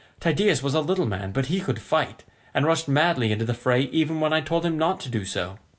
Tydeus was a little man, but he could fight, and rushed madly into the fray even when I told him not to do so.